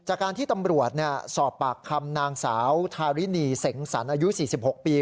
จากการที่ตำรวจสอบปากคำนางสาวทารินีเสงสรรอายุ๔๖ปี